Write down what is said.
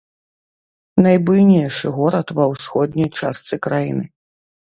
Найбуйнейшы горад ва ўсходняй частцы краіны.